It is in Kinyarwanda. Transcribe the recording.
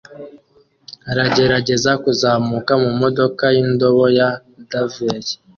aragerageza kuzamuka mumodoka yindobo ya Davey